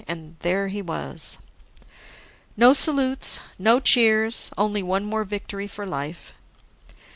And there he was. No salutes, no cheers, only one more victory for life.